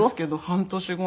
半年後？